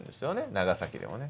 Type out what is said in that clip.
長崎でもね。